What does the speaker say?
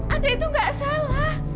andre itu gak salah